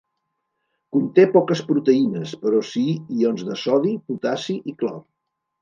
Conté poques proteïnes, però sí ions de sodi, potassi i clor.